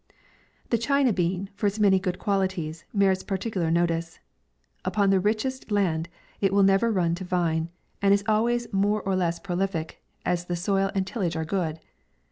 THE CHINA BEAN, for its many good qualities, merits particu lar notice. Upon the richest land il will never run to vine, and is always more or l< ?)6 MAY. prolific, as the soil and tillage are good.